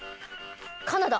カナダ。